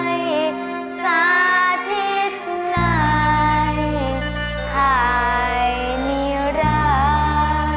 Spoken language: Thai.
ถูกชาติไปสาธิตไหนหายเหนียวร้าย